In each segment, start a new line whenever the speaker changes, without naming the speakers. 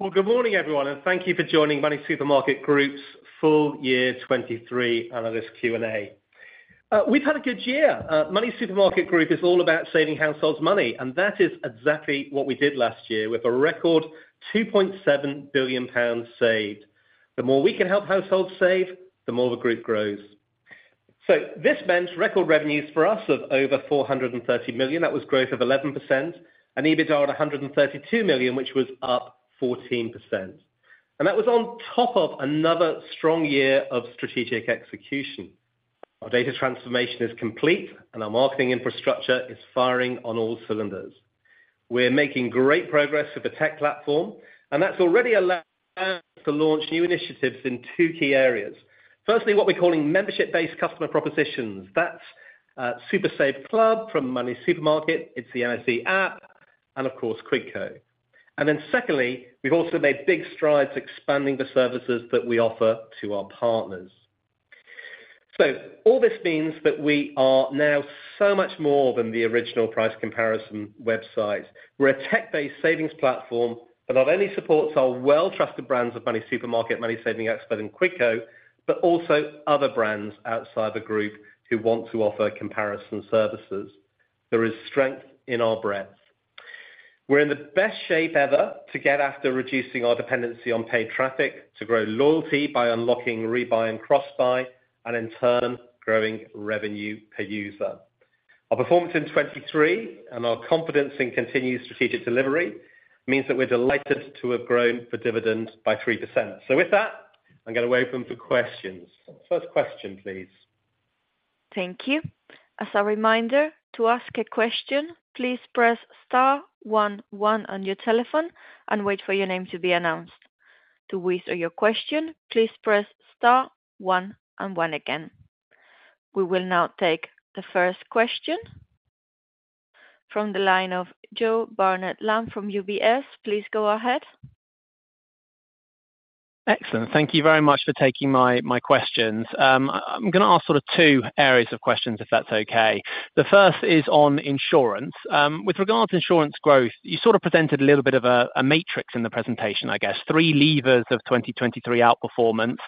Well, good morning, everyone, and thank you for joining MoneySuperMarket Group's full year 2023 analyst Q&A. We've had a good year. MoneySuperMarket Group is all about saving households money, and that is exactly what we did last year with a record 2.7 billion pounds saved. The more we can help households save, the more the group grows. So this meant record revenues for us of over 430 million. That was growth of 11%, and EBITDA at 132 million, which was up 14%. And that was on top of another strong year of strategic execution. Our data transformation is complete, and our marketing infrastructure is firing on all cylinders. We're making great progress with the tech platform, and that's already allowed us to launch new initiatives in two key areas. Firstly, what we're calling membership-based customer propositions. That's SuperSaveClub from MoneySuperMarket. It's the MSE App, and of course, Quidco. And then secondly, we've also made big strides expanding the services that we offer to our partners. So all this means that we are now so much more than the original price comparison website. We're a tech-based savings platform, and that only supports our well-trusted brands of MoneySuperMarket, MoneySavingExpert, and Quidco, but also other brands outside the group who want to offer comparison services. There is strength in our breadth. We're in the best shape ever to get after reducing our dependency on paid traffic, to grow loyalty by unlocking rebuy and crossbuy, and in turn, growing revenue per user. Our performance in 2023 and our confidence in continued strategic delivery means that we're delighted to have grown for dividends by 3%. So with that, I'm going to open for questions. First question, please.
Thank you. As a reminder, to ask a question, please press star one one on your telephone and wait for your name to be announced. To whisper your question, please press star one and one again. We will now take the first question from the line of Joe Barnet-Lamb from UBS. Please go ahead.
Excellent. Thank you very much for taking my questions. I'm going to ask sort of two areas of questions, if that's okay. The first is on insurance. With regards to insurance growth, you sort of presented a little bit of a matrix in the presentation, I guess. Three levers of 2023 outperformance: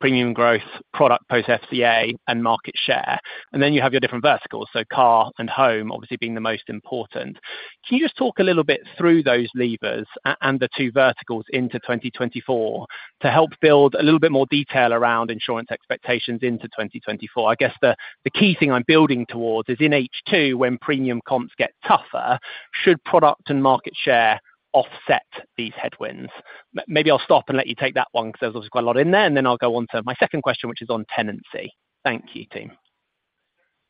premium growth, product post-FCA, and market share. And then you have your different verticals, so car and home, obviously being the most important. Can you just talk a little bit through those levers and the two verticals into 2024 to help build a little bit more detail around insurance expectations into 2024? I guess the key thing I'm building towards is in H2, when premium comps get tougher, should product and market share offset these headwinds? Maybe I'll stop and let you take that one, because there's obviously quite a lot in there. And then I'll go on to my second question, which is on tenancy. Thank you, team.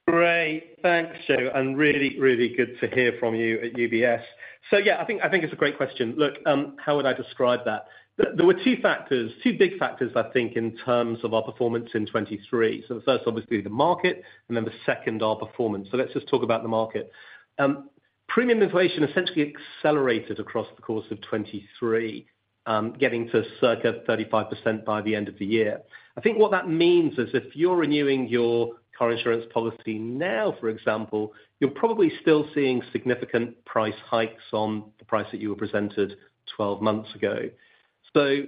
Great. Thanks, Joe. And really, really good to hear from you at UBS. So yeah, I think it's a great question. Look, how would I describe that? There were two factors, two big factors, I think, in terms of our performance in 2023. So the first, obviously, the market, and then the second, our performance. So let's just talk about the market. Premium inflation essentially accelerated across the course of 2023, getting to circa 35% by the end of the year. I think what that means is if you're renewing your car insurance policy now, for example, you're probably still seeing significant price hikes on the price that you were presented 12 months ago. So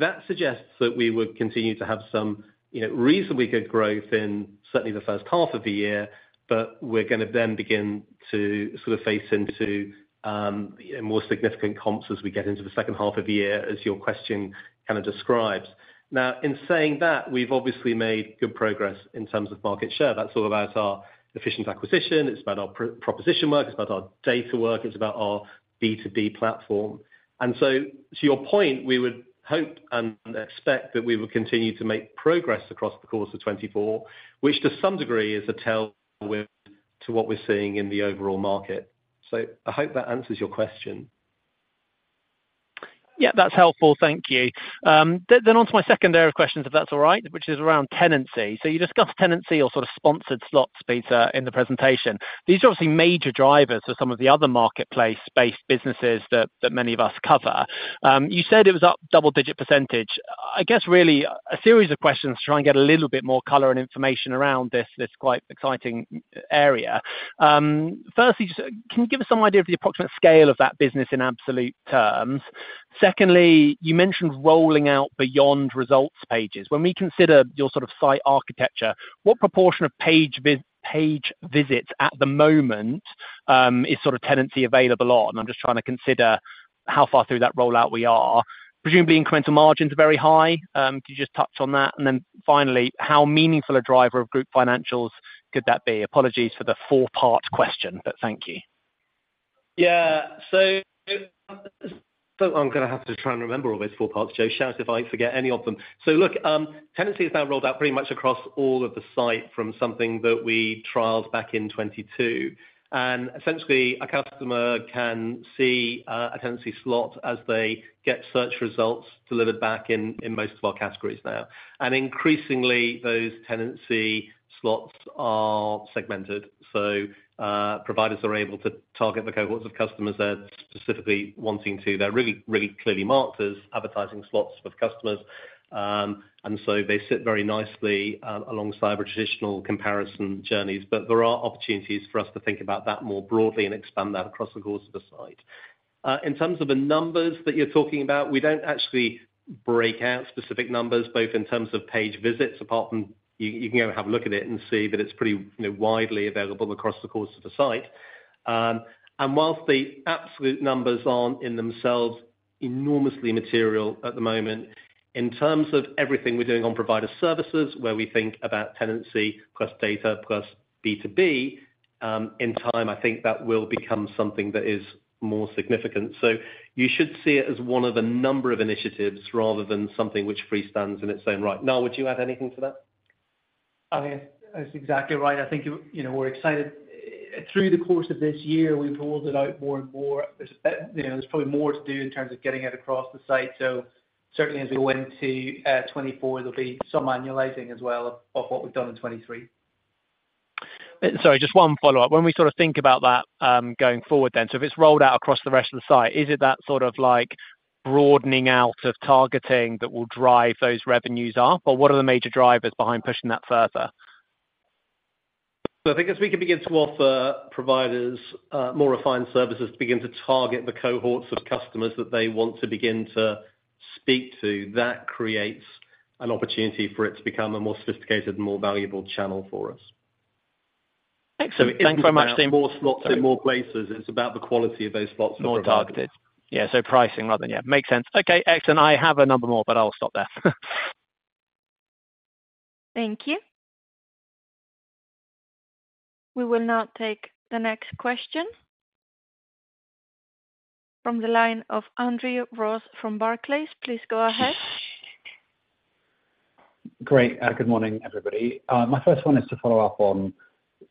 that suggests that we would continue to have some reasonably good growth in certainly the first half of the year, but we're going to then begin to sort of face into more significant comps as we get into the second half of the year, as your question kind of describes. Now, in saying that, we've obviously made good progress in terms of market share. That's all about our efficient acquisition. It's about our proposition work. It's about our data work. It's about our B2B platform. And so to your point, we would hope and expect that we would continue to make progress across the course of 2024, which to some degree is a tailwind to what we're seeing in the overall market. So I hope that answers your question.
Yeah, that's helpful. Thank you. Then on to my second area of questions, if that's all right, which is around tenancy. So you discussed tenancy or sort of sponsored slots, Peter, in the presentation. These are obviously major drivers for some of the other marketplace-based businesses that many of us cover. You said it was up a double-digit percentage. I guess really a series of questions to try and get a little bit more color and information around this quite exciting area. Firstly, can you give us some idea of the approximate scale of that business in absolute terms? Secondly, you mentioned rolling out beyond results pages. When we consider your sort of site architecture, what proportion of page visits at the moment is sort of tenancy available on? I'm just trying to consider how far through that rollout we are. Presumably, incremental margins are very high. Can you just touch on that? Then finally, how meaningful a driver of group financials could that be? Apologies for the four-part question, but thank you.
Yeah. So I'm going to have to try and remember all those four parts, Joe. Shout out if I forget any of them. So look, tenancy is now rolled out pretty much across all of the site from something that we trialed back in 2022. And essentially, our customer can see a tenancy slot as they get search results delivered back in most of our categories now. And increasingly, those tenancy slots are segmented. So providers are able to target the cohorts of customers they're specifically wanting to. They're really, really clearly marked as advertising slots for customers. And so they sit very nicely alongside our traditional comparison journeys. But there are opportunities for us to think about that more broadly and expand that across the course of the site. In terms of the numbers that you're talking about, we don't actually break out specific numbers, both in terms of page visits, apart from you can go have a look at it and see that it's pretty widely available across the course of the site. Whilst the absolute numbers aren't in themselves enormously material at the moment, in terms of everything we're doing on provider services, where we think about tenancy plus data plus B2B, in time, I think that will become something that is more significant. You should see it as one of a number of initiatives rather than something which freestands in its own right. Niall, would you add anything to that?
I think that's exactly right. I think we're excited. Through the course of this year, we've rolled it out more and more. There's probably more to do in terms of getting it across the site. So certainly, as we go into 2024, there'll be some annualizing as well of what we've done in 2023.
Sorry, just one follow-up. When we sort of think about that going forward then, so if it's rolled out across the rest of the site, is it that sort of like broadening out of targeting that will drive those revenues up? Or what are the major drivers behind pushing that further?
I think as we can begin to offer providers more refined services to begin to target the cohorts of customers that they want to begin to speak to, that creates an opportunity for it to become a more sophisticated and more valuable channel for us.
Excellent. Thanks very much.
More slots in more places. It's about the quality of those slots that we're targeting.
Yeah, so pricing rather than, yeah, makes sense. Okay, excellent. I have a number more, but I'll stop there.
Thank you. We will now take the next question from the line of Andrew Ross from Barclays. Please go ahead.
Great. Good morning, everybody. My first one is to follow up on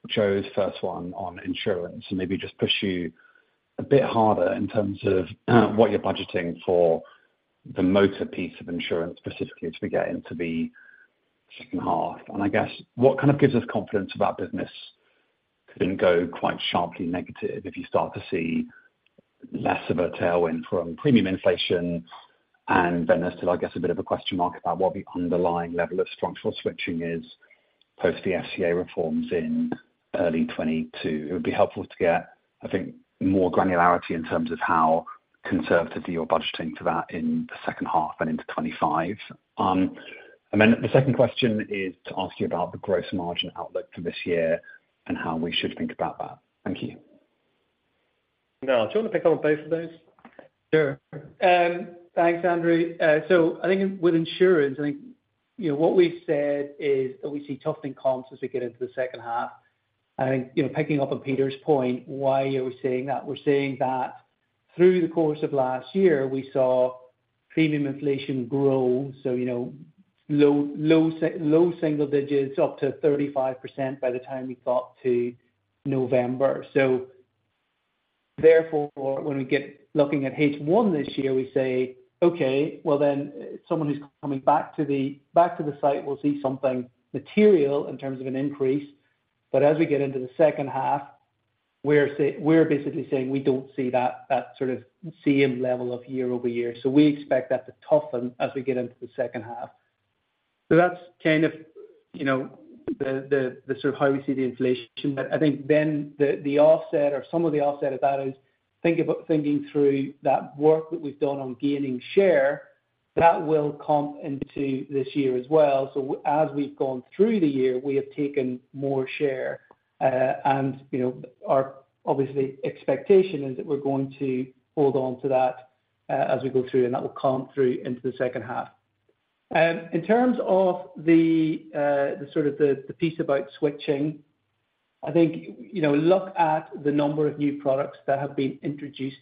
Joe's first one on insurance and maybe just push you a bit harder in terms of what you're budgeting for the motor piece of insurance, specifically as we get into the second half. And I guess what kind of gives us confidence that our business couldn't go quite sharply negative if you start to see less of a tailwind from premium inflation and then there's still, I guess, a bit of a question mark about what the underlying level of structural switching is post the FCA reforms in early 2022. It would be helpful to get, I think, more granularity in terms of how conservative you're budgeting for that in the second half and into 2025. Then the second question is to ask you about the gross margin outlook for this year and how we should think about that. Thank you.
Niall, do you want to pick on both of those?
Sure. Thanks, Andrew. So I think with insurance, I think what we've said is that we see toughening comps as we get into the second half. And I think picking up on Peter's point, why are we saying that? We're saying that through the course of last year, we saw premium inflation grow, so low single digits up to 35% by the time we got to November. So therefore, when we get looking at H1 this year, we say, "Okay, well then someone who's coming back to the site will see something material in terms of an increase." But as we get into the second half, we're basically saying we don't see that sort of same level of year-over-year. So we expect that to toughen as we get into the second half. So that's kind of sort of how we see the inflation. But I think then the offset, or some of the offset of that, is thinking through that work that we've done on gaining share that will comp into this year as well. So as we've gone through the year, we have taken more share. And our obviously expectation is that we're going to hold on to that as we go through, and that will comp through into the second half. In terms of sort of the piece about switching, I think look at the number of new products that have been introduced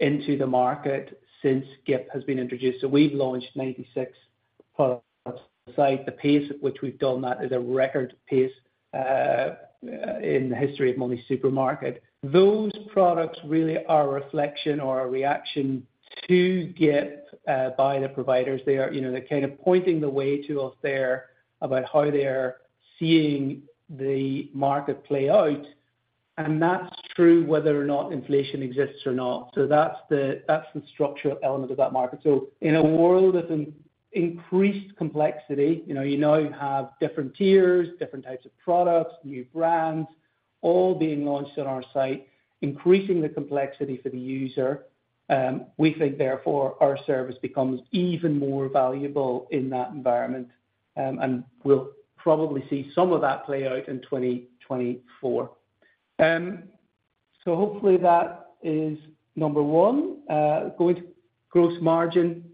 into the market since GIP has been introduced. So we've launched 96 products on the site. The pace at which we've done that is a record pace in the history of MoneySuperMarket. Those products really are a reflection or a reaction to GIP by the providers. They're kind of pointing the way to us there about how they're seeing the market play out. That's through whether or not inflation exists or not. That's the structural element of that market. In a world of increased complexity, you now have different tiers, different types of products, new brands, all being launched on our site, increasing the complexity for the user. We think therefore our service becomes even more valuable in that environment. We'll probably see some of that play out in 2024. Hopefully that is number one. Going to gross margin.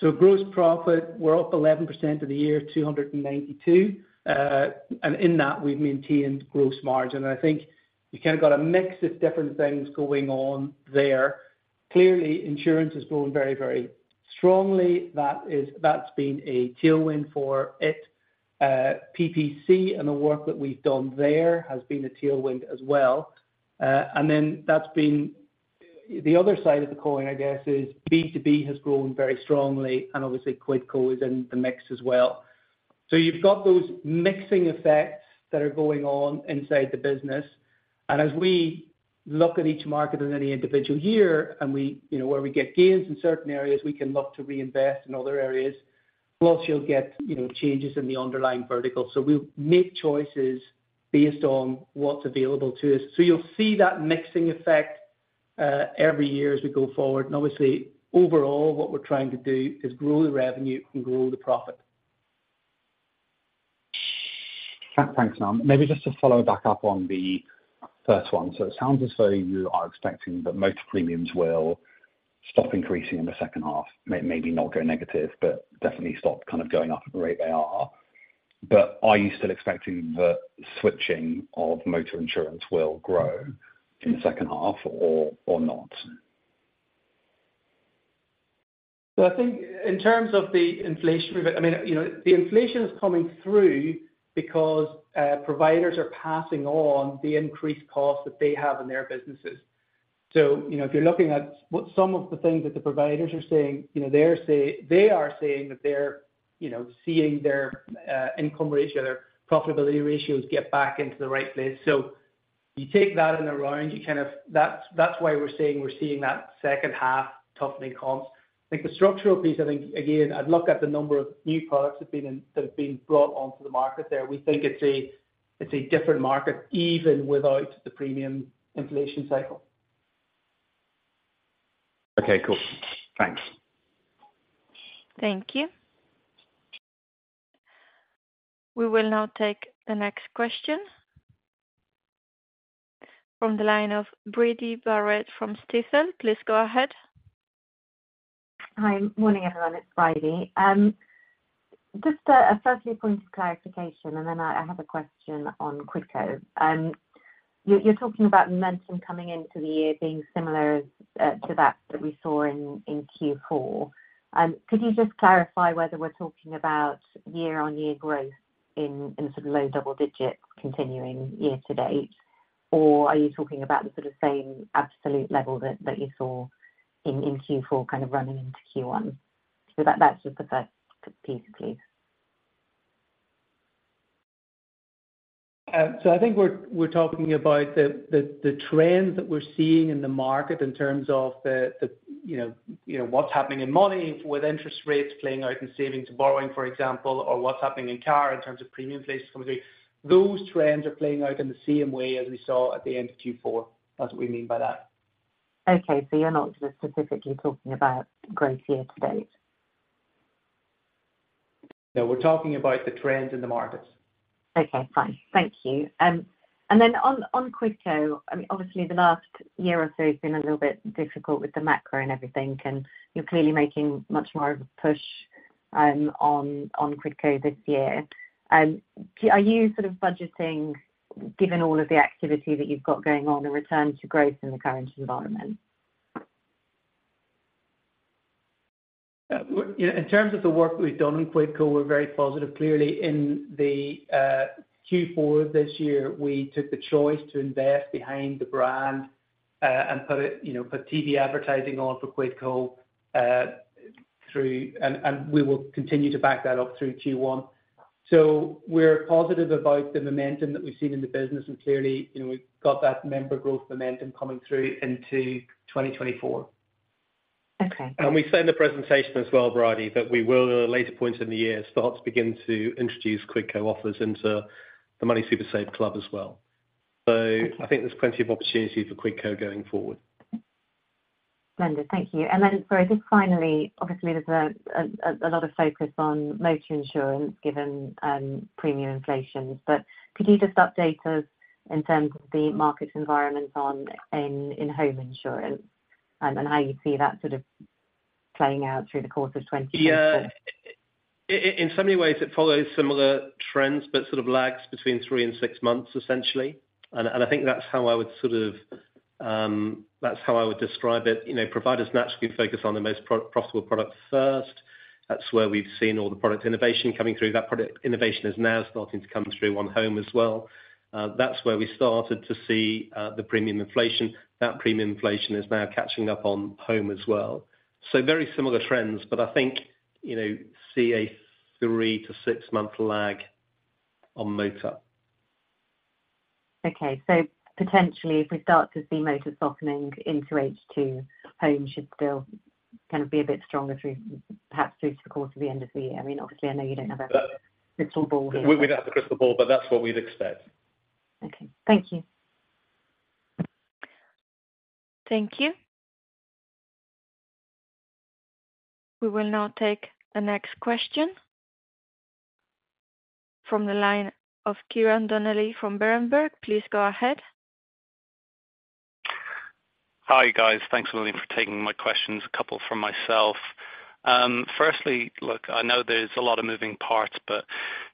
Gross profit, we're up 11% year-over-year, 292. In that, we've maintained gross margin. I think you've kind of got a mix of different things going on there. Clearly, insurance has grown very, very strongly. That's been a tailwind for it. PPC and the work that we've done there has been a tailwind as well. And then the other side of the coin, I guess, is B2B has grown very strongly. And obviously, Quidco is in the mix as well. So you've got those mixing effects that are going on inside the business. And as we look at each market in any individual year, and where we get gains in certain areas, we can look to reinvest in other areas. Plus, you'll get changes in the underlying vertical. So we make choices based on what's available to us. So you'll see that mixing effect every year as we go forward. And obviously, overall, what we're trying to do is grow the revenue and grow the profit.
Thanks, Niall. Maybe just to follow back up on the first one. So it sounds as though you are expecting that motor premiums will stop increasing in the second half, maybe not go negative, but definitely stop kind of going up at the rate they are. But are you still expecting that switching of motor insurance will grow in the second half or not?
So, I think in terms of the inflation reversal, I mean, the inflation is coming through because providers are passing on the increased costs that they have in their businesses. So if you're looking at what some of the things that the providers are saying, they are saying that they're seeing their income ratios, their profitability ratios, get back into the right place. So you take that in a round, you kind of that's why we're saying we're seeing that second half toughening comps. I think the structural piece, I think, again, I'd look at the number of new products that have been brought onto the market there. We think it's a different market even without the premium inflation cycle.
Okay, cool. Thanks.
Thank you. We will now take the next question from the line of Bridie Barrett from Stifel. Please go ahead.
Hi, morning, everyone. It's Bridie. Just a firstly point of clarification, and then I have a question on Quidco. You're talking about momentum coming into the year being similar to that that we saw in Q4. Could you just clarify whether we're talking about year-on-year growth in sort of low double-digit continuing year to date? Or are you talking about the sort of same absolute level that you saw in Q4 kind of running into Q1? So that's just the first piece, please.
So I think we're talking about the trend that we're seeing in the market in terms of what's happening in money with interest rates playing out in savings and borrowing, for example, or what's happening in car in terms of premium inflation coming through. Those trends are playing out in the same way as we saw at the end of Q4. That's what we mean by that.
Okay. So you're not specifically talking about growth year to date?
No, we're talking about the trend in the markets.
Okay. Fine. Thank you. And then on Quidco, obviously, the last year or so has been a little bit difficult with the macro and everything. And you're clearly making much more of a push on Quidco this year. Are you sort of budgeting, given all of the activity that you've got going on, a return to growth in the current environment?
In terms of the work that we've done on Quidco, we're very positive. Clearly, in the Q4 of this year, we took the choice to invest behind the brand and put TV advertising on for Quidco through, and we will continue to back that up through Q1. So we're positive about the momentum that we've seen in the business. And clearly, we've got that member growth momentum coming through into 2024.
And we've said in the presentation as well, Bridie, that we will, at a later point in the year, start to begin to introduce Quidco offers into the Money SuperSaveClub as well. So I think there's plenty of opportunity for Quidco going forward.
Splendid. Thank you. And then, sorry, just finally, obviously, there's a lot of focus on motor insurance given premium inflation. But could you just update us in terms of the market environment in home insurance and how you see that sort of playing out through the course of 2024?
Yeah. In so many ways, it follows similar trends, but sort of lags between three and six months, essentially. And I think that's how I would sort of that's how I would describe it. Providers naturally focus on the most profitable product first. That's where we've seen all the product innovation coming through. That product innovation is now starting to come through on home as well. That's where we started to see the premium inflation. That premium inflation is now catching up on home as well. So very similar trends, but I think see a three to six month lag on motor.
Okay. So potentially, if we start to see motor softening into H2, home should still kind of be a bit stronger perhaps through the course of the end of the year. I mean, obviously, I know you don't have a crystal ball here.
We don't have a crystal ball, but that's what we'd expect.
Okay. Thank you.
Thank you. We will now take the next question from the line of Ciarán Donnelly from Berenberg. Please go ahead.
Hi guys. Thanks for taking my questions, a couple from myself. Firstly, look, I know there's a lot of moving parts, but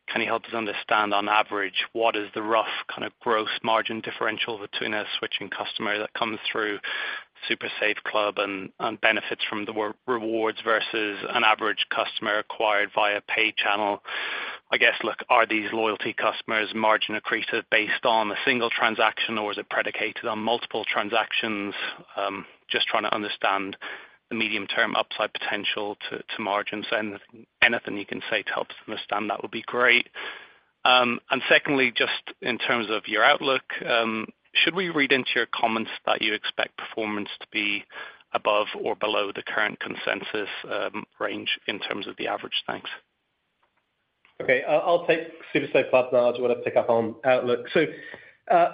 can you help us understand, on average, what is the rough kind of gross margin differential between a switching customer that comes through SuperSaveClub and benefits from the rewards versus an average customer acquired via pay channel? I guess, look, are these loyalty customers margin accretive based on a single transaction, or is it predicated on multiple transactions? Just trying to understand the medium-term upside potential to margin. So anything you can say to help us understand that would be great. And secondly, just in terms of your outlook, should we read into your comments that you expect performance to be above or below the current consensus range in terms of the average? Thanks.
Okay. I'll take SuperSaveClub now. I just want to pick up on outlook. So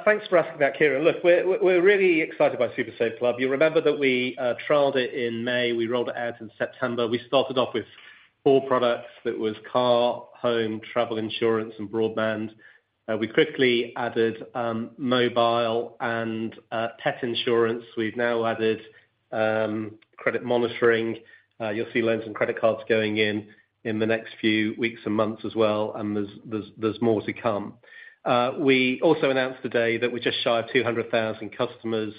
thanks for asking that, Ciarán. Look, we're really excited by SuperSaveClub. You remember that we trialed it in May. We rolled it out in September. We started off with four products. That was car, home, travel insurance, and broadband. We quickly added mobile and pet insurance. We've now added credit monitoring. You'll see loans and credit cards going in the next few weeks and months as well. And there's more to come. We also announced today that we're just shy of 200,000 customers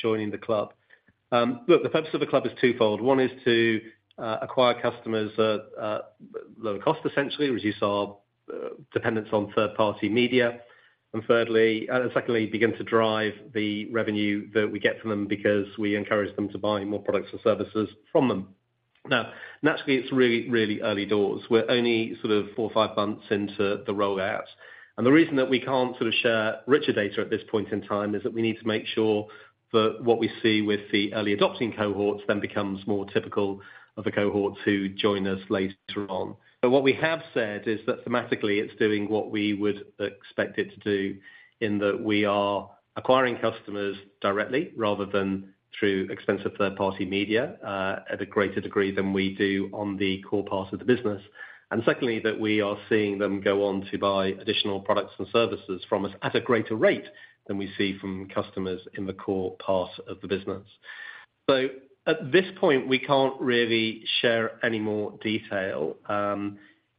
joining the club. Look, the purpose of the club is twofold. One is to acquire customers at lower cost, essentially, reduce our dependence on third-party media. And thirdly, and secondly, begin to drive the revenue that we get from them because we encourage them to buy more products and services from them. Now, naturally, it's really, really early doors. We're only sort of four or five months into the rollout. And the reason that we can't sort of share richer data at this point in time is that we need to make sure that what we see with the early adopting cohorts then becomes more typical of the cohorts who join us later on. But what we have said is that thematically, it's doing what we would expect it to do in that we are acquiring customers directly rather than through expensive third-party media at a greater degree than we do on the core part of the business. And secondly, that we are seeing them go on to buy additional products and services from us at a greater rate than we see from customers in the core part of the business. So at this point, we can't really share any more detail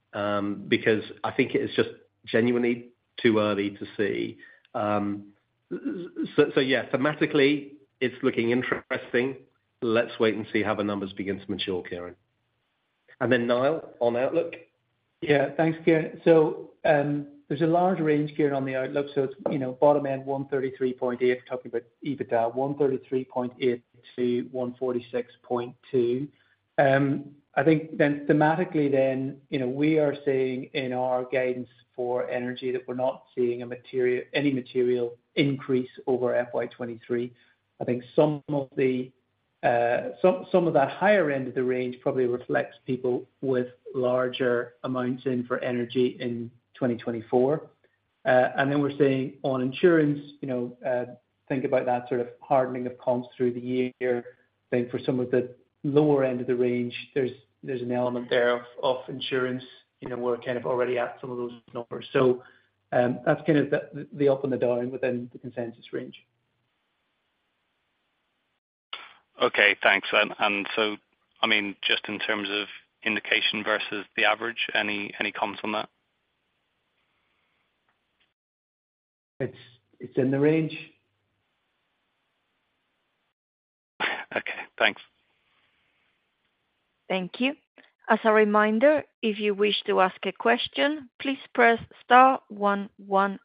because I think it is just genuinely too early to see. So yeah, thematically, it's looking interesting. Let's wait and see how the numbers begin to mature, Ciarán. And then Niall, on outlook?
Yeah. Thanks, Ciarán. So there's a large range, Ciarán, on the outlook. So it's bottom end 133.8, talking about EBITDA, 133.8-146.2. I think then thematically, then we are seeing in our guidance for energy that we're not seeing any material increase over FY 2023. I think some of that higher end of the range probably reflects people with larger amounts in for energy in 2024. And then we're saying on insurance, think about that sort of hardening of comps through the year. I think for some of the lower end of the range, there's an element there of insurance. We're kind of already at some of those numbers. So that's kind of the up and the down within the consensus range.
Okay. Thanks. And so, I mean, just in terms of indication versus the average, any comments on that?
It's in the range.
Okay. Thanks.
Thank you. As a reminder, if you wish to ask a question, please press star 11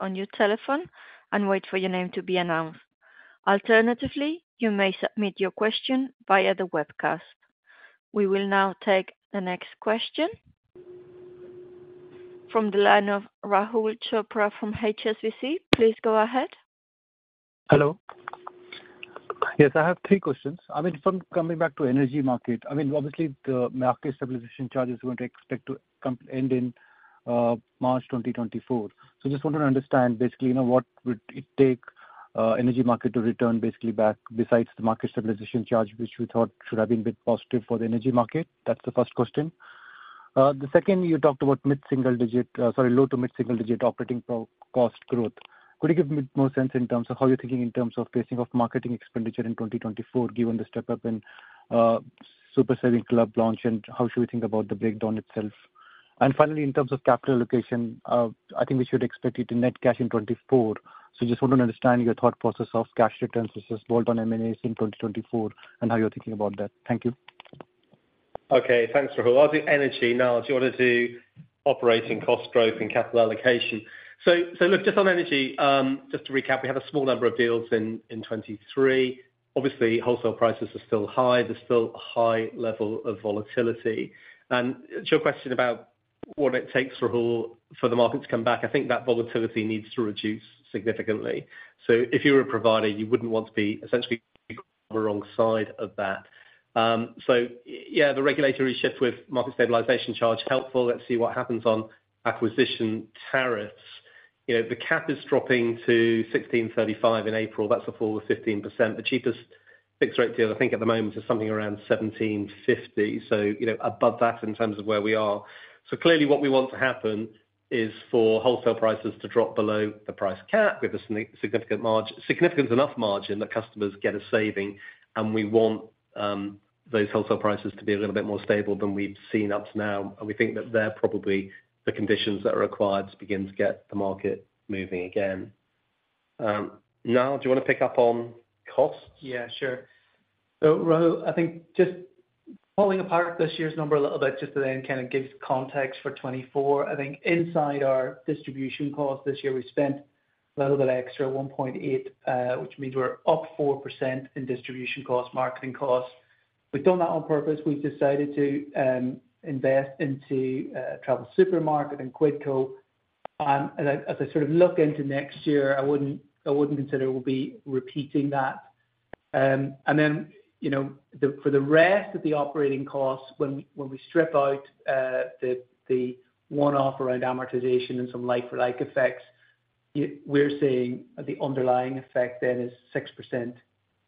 on your telephone and wait for your name to be announced. Alternatively, you may submit your question via the webcast. We will now take the next question from the line of Rahul Chopra from HSBC. Please go ahead.
Hello. Yes, I have two questions. I mean, coming back to energy market, I mean, obviously, the Market Stabilisation Charge is going to expected to end in March 2024. So I just wanted to understand, basically, what would it take energy market to return, basically, back besides the Market Stabilisation Charge, which we thought should have been a bit positive for the energy market? That's the first question. The second, you talked about mid-single digit, sorry, low to mid-single digit operating cost growth. Could you give more sense in terms of how you're thinking in terms of pacing of marketing expenditure in 2024, given the step-up in SuperSaveClub launch, and how should we think about the breakdown itself? And finally, in terms of capital allocation, I think we should expect it in net cash in 2024. I just want to understand your thought process of cash returns versus bolt-on M&As in 2024 and how you're thinking about that. Thank you.
Okay. Thanks, Rahul. I'll do energy. Now, I'll do operating cost growth and capital allocation. So look, just on energy, just to recap, we had a small number of deals in 2023. Obviously, wholesale prices are still high. There's still a high level of volatility. And to your question about what it takes, Rahul, for the market to come back, I think that volatility needs to reduce significantly. So if you were a provider, you wouldn't want to be essentially on the wrong side of that. So yeah, the regulatory shift with Market Stabilization Charge, helpful. Let's see what happens on acquisition tariffs. The cap is dropping to 16.35 in April. That's a fall of 15%. The cheapest fixed rate deal, I think, at the moment is something around 17.50. So above that in terms of where we are. So clearly, what we want to happen is for wholesale prices to drop below the price cap, give us significant enough margin that customers get a saving. And we want those wholesale prices to be a little bit more stable than we've seen up to now. And we think that they're probably the conditions that are required to begin to get the market moving again. Niall, do you want to pick up on costs?
Yeah, sure. So Rahul, I think just following up on this year's number a little bit just today and kind of give context for 2024. I think inside our distribution costs this year, we spent a little bit extra, 1.8, which means we're up 4% in distribution costs, marketing costs. We've done that on purpose. We've decided to invest into TravelSupermarket and Quidco. And as I sort of look into next year, I wouldn't consider we'll be repeating that. And then for the rest of the operating costs, when we strip out the one-off around amortization and some like-for-like effects, we're seeing the underlying effect then is 6%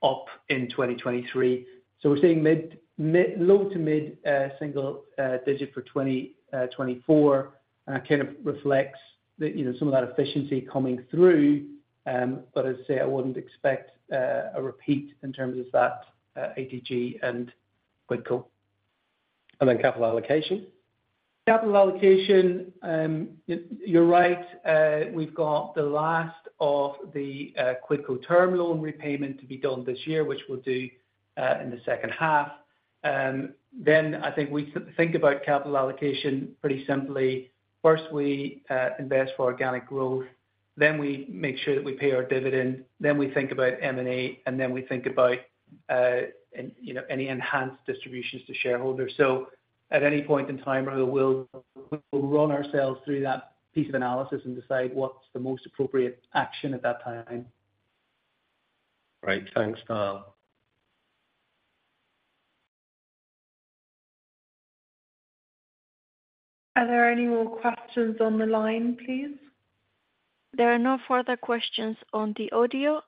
up in 2023. So we're seeing low- to mid-single-digit for 2024. And that kind of reflects some of that efficiency coming through. But as I say, I wouldn't expect a repeat in terms of that ATG and Quidco.
Capital allocation? Capital allocation, you're right. We've got the last of the Quidco term loan repayment to be done this year, which we'll do in the second half. Then I think we think about capital allocation pretty simply. First, we invest for organic growth. Then we make sure that we pay our dividend. Then we think about M&A. And then we think about any enhanced distributions to shareholders. So at any point in time, we'll run ourselves through that piece of analysis and decide what's the most appropriate action at that time. Great. Thanks, Niall.
Are there any more questions on the line, please? There are no further questions on the audio.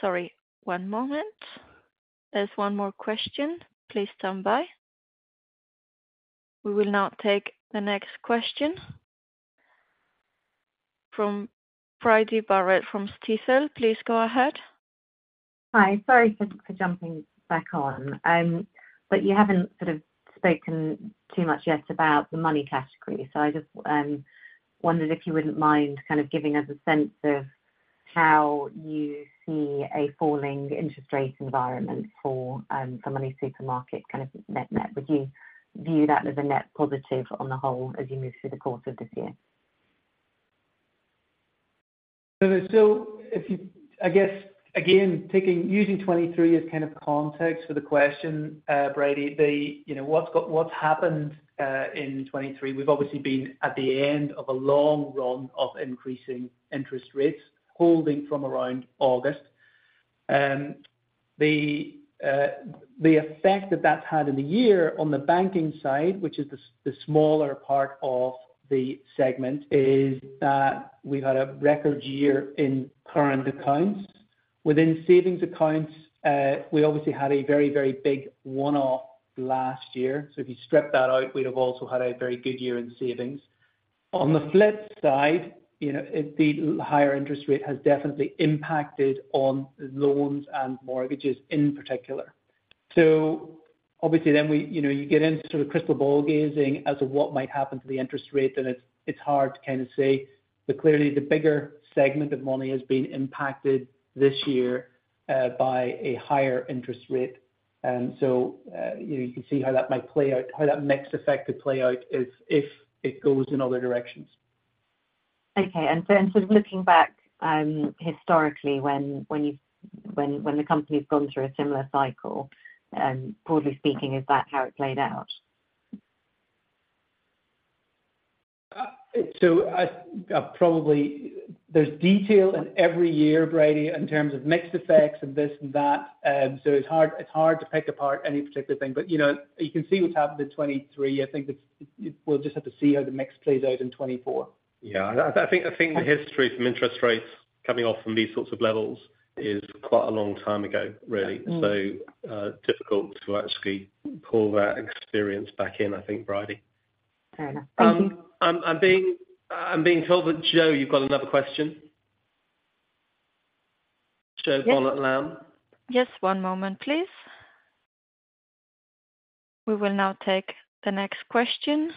Sorry. One moment. There's one more question. Please stand by. We will now take the next question from Bridie Barrett from Stifel. Please go ahead.
Hi. Sorry for jumping back on. But you haven't sort of spoken too much yet about the money category. So I just wondered if you wouldn't mind kind of giving us a sense of how you see a falling interest rate environment for MoneySuperMarket kind of net-net. Would you view that as a net positive on the whole as you move through the course of this year?
So there's still, I guess, again, using 2023 as kind of context for the question, Bridie, what's happened in 2023? We've obviously been at the end of a long run of increasing interest rates holding from around August. The effect that that's had in the year on the banking side, which is the smaller part of the segment, is that we've had a record year in current accounts. Within savings accounts, we obviously had a very, very big one-off last year. So if you strip that out, we'd have also had a very good year in savings. On the flip side, the higher interest rate has definitely impacted on loans and mortgages in particular. So obviously, then you get into sort of crystal ball gazing as to what might happen to the interest rate. And it's hard to kind of say. Clearly, the bigger segment of money has been impacted this year by a higher interest rate. So you can see how that might play out, how that mixed effect could play out if it goes in other directions.
Okay. And sort of looking back historically, when the company's gone through a similar cycle, broadly speaking, is that how it played out?
There's detail in every year, Bridie, in terms of mixed effects and this and that. So it's hard to pick apart any particular thing. But you can see what's happened in 2023. I think we'll just have to see how the mix plays out in 2024.
Yeah. I think the history from interest rates coming off from these sorts of levels is quite a long time ago, really. So difficult to actually pull that experience back in, I think, Bridie.
Fair enough.
I'm being told that, Joe, you've got another question. Joe Barnet-Lamb.
Just one moment, please. We will now take the next question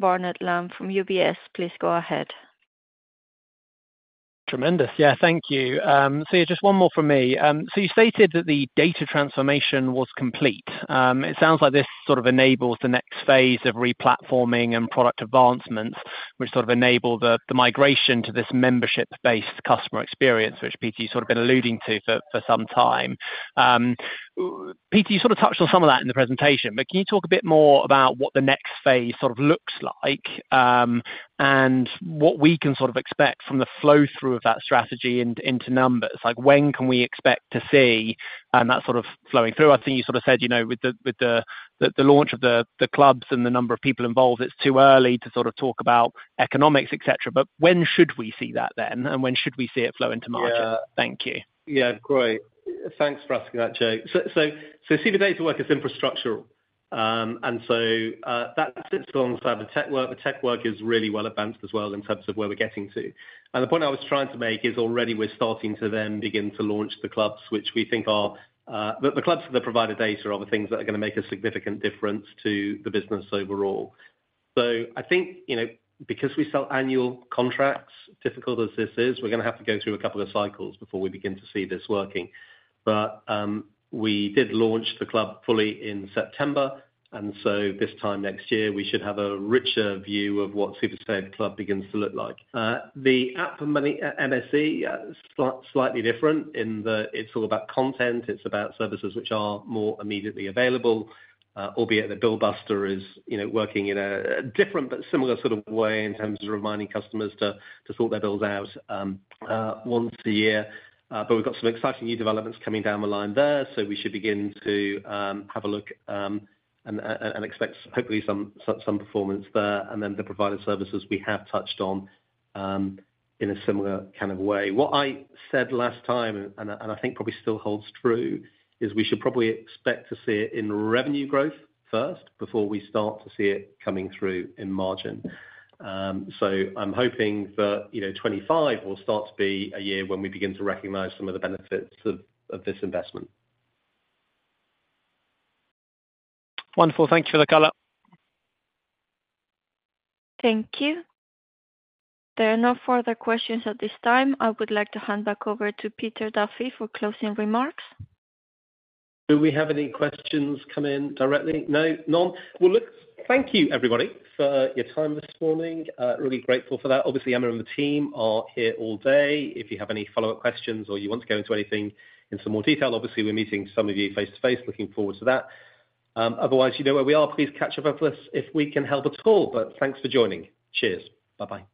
from Joe Barnet-Lamb from UBS. Please go ahead.
Tremendous. Yeah. Thank you. So yeah, just one more from me. So you stated that the data transformation was complete. It sounds like this sort of enables the next phase of replatforming and product advancements, which sort of enable the migration to this membership-based customer experience, which Peter you've sort of been alluding to for some time. Peter, you sort of touched on some of that in the presentation. But can you talk a bit more about what the next phase sort of looks like and what we can sort of expect from the flow-through of that strategy into numbers? When can we expect to see that sort of flowing through? I think you sort of said with the launch of the clubs and the number of people involved, it's too early to sort of talk about economics, etc. But when should we see that then? When should we see it flow into markets? Thank you.
Yeah. Great. Thanks for asking that, Joe. So see the data work as infrastructural. And so that fits alongside the tech work. The tech work is really well advanced as well in terms of where we're getting to. And the point I was trying to make is already we're starting to then begin to launch the clubs, which we think are the clubs for the provider data are the things that are going to make a significant difference to the business overall. So I think because we sell annual contracts, difficult as this is, we're going to have to go through a couple of cycles before we begin to see this working. But we did launch the club fully in September. And so this time next year, we should have a richer view of what SuperSaveClub begins to look like. The app for MSE, slightly different in that it's all about content. It's about services which are more immediately available, albeit the Bill Buster is working in a different but similar sort of way in terms of reminding customers to sort their bills out once a year. But we've got some exciting new developments coming down the line there. So we should begin to have a look and expect, hopefully, some performance there. And then the provider services we have touched on in a similar kind of way. What I said last time, and I think probably still holds true, is we should probably expect to see it in revenue growth first before we start to see it coming through in margin. So I'm hoping that 2025 will start to be a year when we begin to recognize some of the benefits of this investment.
Wonderful. Thank you for the color.
Thank you. There are no further questions at this time. I would like to hand back over to Peter Duffy for closing remarks.
Do we have any questions come in directly? No? None? Well, look, thank you, everybody, for your time this morning. Really grateful for that. Obviously, Amar and the team are here all day. If you have any follow-up questions or you want to go into anything in some more detail, obviously, we're meeting some of you face-to-face. Looking forward to that. Otherwise, you know where we are. Please catch up with us if we can help at all. But thanks for joining. Cheers. Bye-bye.